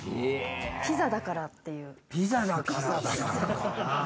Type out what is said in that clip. ピザだからって。